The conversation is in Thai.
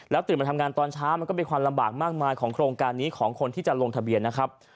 ตื่นมาทำงานตอนเช้ามันก็เป็นความลำบากมากมายของโครงการนี้ของคนที่จะลงทะเบียนนะครับ